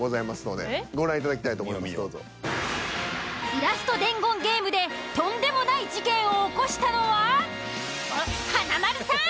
イラスト伝言ゲームでとんでもない事件を起こしたのは華丸さん！